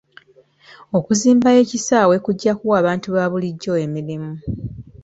Okuzimba ekisaawe kujja kuwa abantu ba bulijjo emirimu.